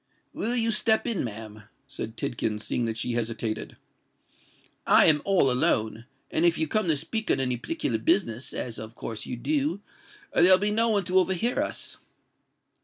"Will you step in, ma'am?" said Tidkins; seeing that she hesitated. "I am all alone;—and if you come to speak on any particular business—as of course you do—there'll be no one to overhear us."